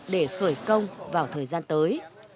để khởi công vào thời gian tới